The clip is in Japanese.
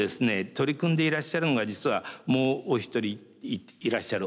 取り組んでいらっしゃるのが実はもうお一人いらっしゃる。